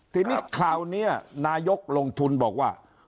ทีนี้คราวนี้นายกลงทุนบอกว่า